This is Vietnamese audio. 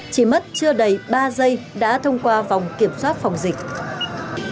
chỉ mất chưa đầy ba giây đã thông qua vòng kiểm soát phòng dịch